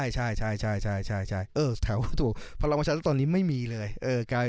ใช่แถวภูมิถูกภาระวัชฌาติตอนนี้ไม่มีเลย